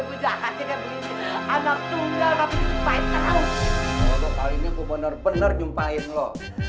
bujang anak tunggal tapi sampai tahu kalau ini bener bener jumpain lo